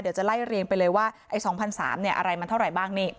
เดี๋ยวจะไล่เรียงไปเลยว่าไอ้สองพันสามเนี้ยอะไรมันเท่าไรบ้างนี่